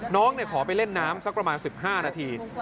น้องขอไปเล่นน้ำสักประมาณ๑๕นาที